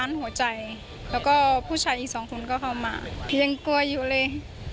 หัวใจแล้วก็ผู้ชายอีกสองคนก็เข้ามาพี่ยังกลัวอยู่เลย